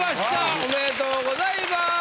おめでとうございます。